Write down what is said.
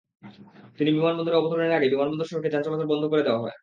তিনি বিমানবন্দরে অবতরণের আগে বিমানবন্দর সড়কে যান চলাচল বন্ধ করে দেওয়া হয়।